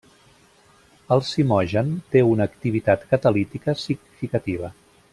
El zimogen té una activitat catalítica significativa.